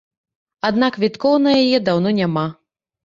Аднак квіткоў на яе даўно няма.